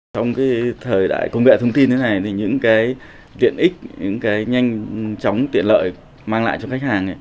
trong thời đại công việc thông tin thế này những viện ích những nhanh chóng tiện lợi mang lại cho khách hàng